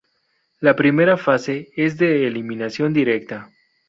La primera fase es de eliminación directa.